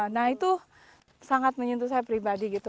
nah itu sangat menyentuh saya pribadi gitu